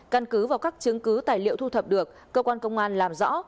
căn cứ vào các chứng cứ tài liệu thu thập được cơ quan công an làm rõ